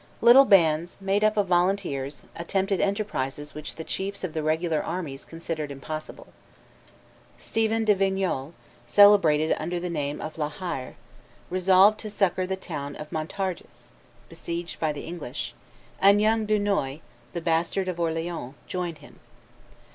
Little bands, made up of volunteers, attempted enterprises which the chiefs of the regular armies considered impossible. Stephen de Vignolles, celebrated under the name of La Hire, resolved to succor the town of Montargis, besieged by the English; and young Dunois, the bastard of Orleans, joined him.